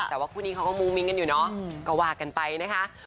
แต่ว่าคู่นี้เขาก็มุ้งมิ้งกันอยู่เนาะก็ว่ากันไปนะคะ